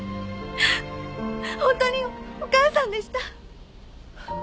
ホントにお母さんでした。